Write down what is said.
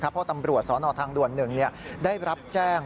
เพราะตำรวจสนทางด่วน๑ได้รับแจ้ง